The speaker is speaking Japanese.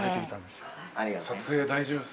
撮影大丈夫？